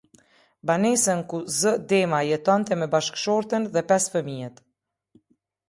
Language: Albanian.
Banesën ku z. Dema jetonte me bashkëshorten dhe pesë fëmijët.